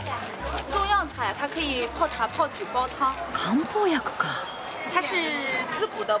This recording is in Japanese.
漢方薬か。